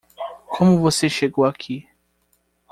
Como você chegou aqui?